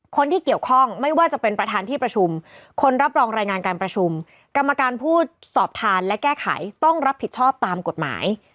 คนที่เกี่ยวข้องไม่ว่าจะเป็นประธานที่ประชุมคนรับรองรายงานการประชุมกรรมการผู้สอบทานและแก้ไขต้องรับผิดชอบตามกฎหมาย